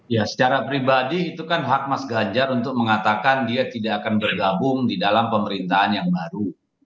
ya secara pribadi itu kan hak mas ganjar untuk mengatakan dia tidak akan bergabung di dalam pemerintahan yang baru